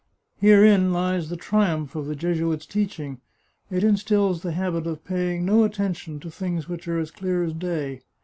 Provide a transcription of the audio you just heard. Herein lies the triumph of the Jesuits' teaching; it instils the habit of paying no attention to things which are as clear as day.